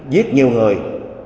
giết nhiều người